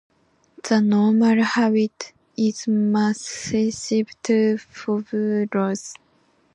The normal habit is massive to fibrous.